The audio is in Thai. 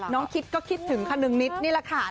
น้องคิดก็คิดถึงคันั๊งนิด